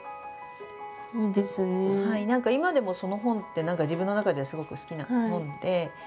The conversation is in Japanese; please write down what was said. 何か今でもその本って自分の中ではすごく好きな本で。